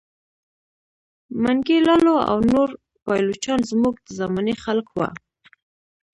منګی لالو او نور پایلوچان زموږ د زمانې خلک وه.